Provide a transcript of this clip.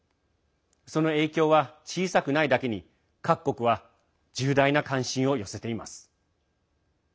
その影響は小さくないだけに各国は重大な関心を寄せています。